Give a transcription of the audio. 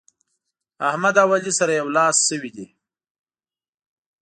احمد او علي سره يو لاس شوي دي.